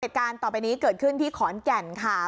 เหตุการณ์ต่อไปนี้เกิดขึ้นที่ขอนแก่นค่ะ